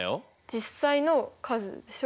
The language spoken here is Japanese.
実際の数でしょ。